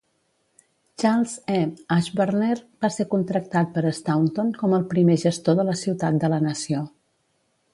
Charles E. Ashburner va ser contractat per Staunton com el primer gestor de la ciutat de la nació.